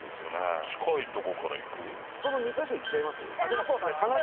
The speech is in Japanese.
ここの２カ所行っちゃいます？